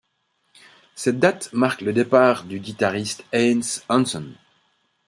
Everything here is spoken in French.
Cette date marque le départ du guitariste Hannes Hansson.